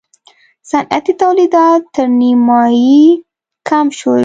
صنعتي تولیدات تر نییمایي کم شول.